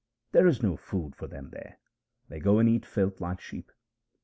There is no food for them there ; they go and eat filth like sheep.